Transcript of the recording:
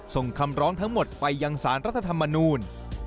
ส่งคำร้องทั้งหมดไปยังสารรัฐธรรมนูล